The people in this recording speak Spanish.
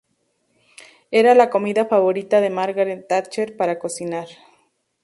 Era la comida favorita de Margaret Thatcher para cocinar.